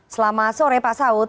selamat sore pak saud